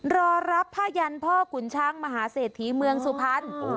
รอรับผ้ายันพ่อขุนช้างมหาเศรษฐีเมืองสุพรรณ